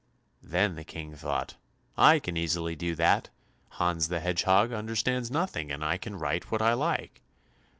Then the King thought, "I can easily do that, Hans the Hedgehog understands nothing, and I can write what I like."